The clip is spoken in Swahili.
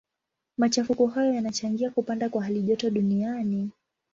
Machafuko hayo yanachangia kupanda kwa halijoto duniani.